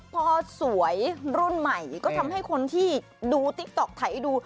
พอสวยรุ่นใหม่ก็ทำให้คนที่ดูติ๊กต๊อกไถดู